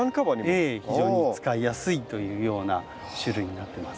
ええ非常に使いやすいというような種類になってます。